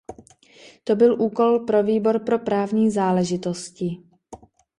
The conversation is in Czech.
To byl úkol pro Výbor pro právní záležitosti.